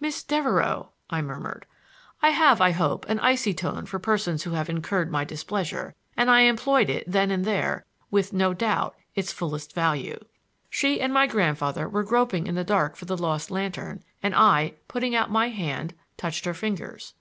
"Miss Devereux," I murmured. I have, I hope, an icy tone for persons who have incurred my displeasure, and I employed it then and there, with, no doubt, its fullest value. She and my grandfather were groping in the dark for the lost lantern, and I, putting out my hand, touched her fingers.